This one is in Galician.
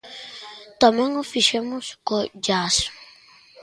Tamén o fixemos co jazz.